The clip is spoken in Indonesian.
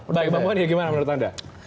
baik pak mohon ya gimana menurut anda